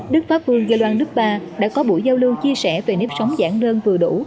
đức pháp vương gia loan đức ba đã có buổi giao lưu chia sẻ về nếp sống giản đơn vừa đủ